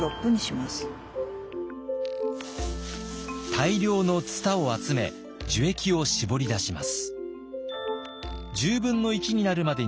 大量のツタを集め樹液を搾り出します。